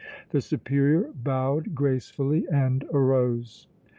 The Superior bowed gracefully and arose.